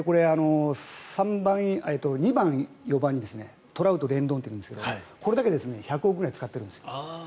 ２番、４番にトラウト、レンドンっているんですけどこれだけで１００億ぐらい使ってるんです。